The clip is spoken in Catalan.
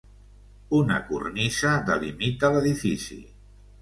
Una cornisa delimita l'edifici.